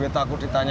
brah tuanku dunia